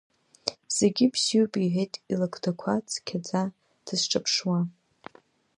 Зегьы бзиоуп иҳәеит илакҭақәа цқьаӡа дысҿаԥшуа.